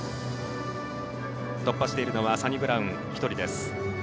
突破しているのはサニブラウン、１人です。